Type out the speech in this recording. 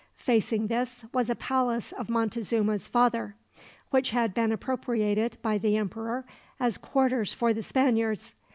Facing this was a palace of Montezuma's father, which had been appropriated, by the emperor, as quarters for the Spaniards.